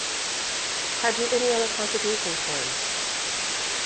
Had you any other contributions for him?